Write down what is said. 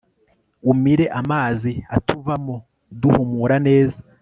umire amazi atuvamo, duhumura neza